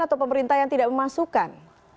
atau pemerintah yang tidak memasukkan